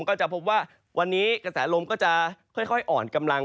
ก็จะพบว่าวันนี้กระแสลมก็จะค่อยอ่อนกำลัง